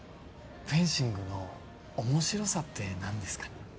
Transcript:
フェンシングの面白さって何ですか？